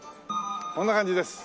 こんな感じです。